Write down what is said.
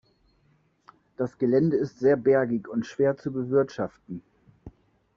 Das Gelände ist sehr bergig und schwer zu bewirtschaften.